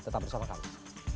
tetap bersama kami